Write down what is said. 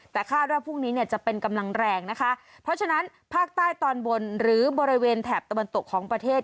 แต่คาดว่าพรุ่งนี้เนี่ยจะเป็นกำลังแรงนะคะเพราะฉะนั้นภาคใต้ตอนบนหรือบริเวณแถบตะวันตกของประเทศ